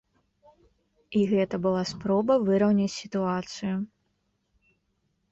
І гэта была спроба выраўняць сітуацыю.